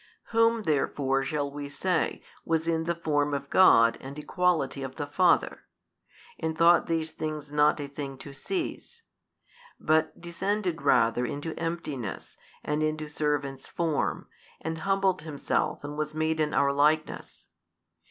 Whom therefore shall we say was in the Form of God and Equality of the Father, and thought these things not a thing to seize; but descended rather into emptiness and into servant's form, and humbleth Himself and was made in our likeness?